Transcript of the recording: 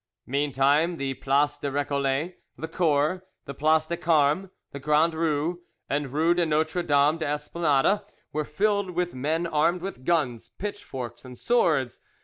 Meantime the place des Recollets, the Cours, the place des Carmes, the Grand Rue, and rue de Notre Dame de l'Esplanade were filled with men armed with guns, pitchforks, and swords.